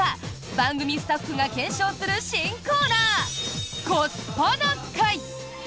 番組スタッフが検証する新コーナー「コスパな会」。